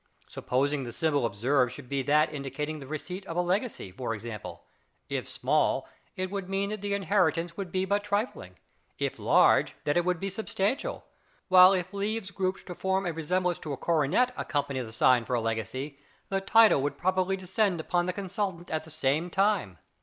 Supposing the symbol observed should be that indicating the receipt of a legacy, for instance: if small it would mean that the inheritance would be but trifling, if large that it would be substantial, while if leaves grouped to form a resemblance to a coronet accompany the sign for a legacy, a title would probably descend upon the consultant at the same time.